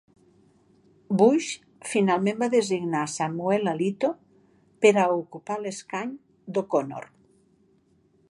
Bush finalment va designar Samuel Alito per a ocupar l'escany d'O'Connor.